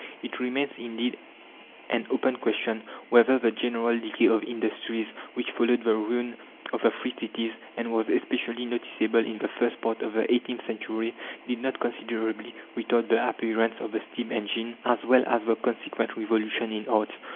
It remains, indeed, an open question whether the general decay of industries which followed the ruin of the free cities, and was especially noticeable in the first part of the eighteenth century, did not considerably retard the appearance of the steam engine as well as the consequent revolution in arts.